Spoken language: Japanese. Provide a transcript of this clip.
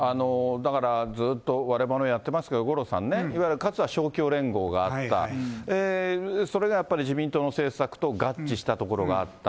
だからずっとわれわれもやってますけど、五郎さんね、かつては勝共連合があった、それがやっぱり自民党の政策と合致したところがあった。